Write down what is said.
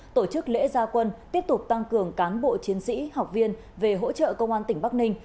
tổ chức lễ gia quân tiếp tục tăng cường cán bộ chiến sĩ học viên về hỗ trợ công an tỉnh bắc ninh